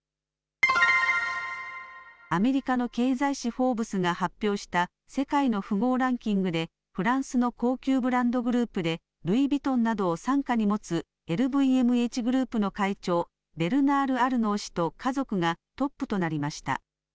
アメリカの経済誌、フォーブスが発表した世界の富豪ランキングでフランスの高級ブランドグループでルイ・ヴィトンなどを傘下に持つＬＶＭＨグループの会長、ベルナール・アルノー氏と家族がトップとなりました。